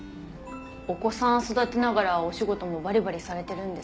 お子さん育てながらお仕事もバリバリされてるんですね花村さん。